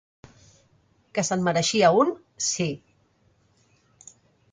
Que se'n mereixia un, sí.